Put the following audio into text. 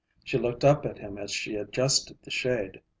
She looked up at him as she adjusted the shade.